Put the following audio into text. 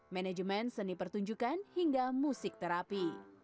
manajemen seni pertunjukan hingga musik terapi